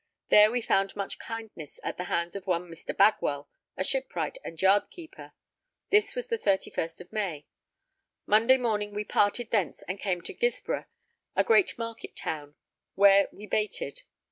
There we found much kindness at the hands of one Mr. Bagwell, a shipwright and yardkeeper; this was the 31st of May. Monday morning we parted thence and came to Guisborough, a great market town, where we baited.